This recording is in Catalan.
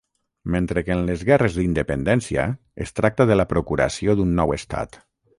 Mentre que en les guerres d'independència es tracta de la procuració d'un nou Estat.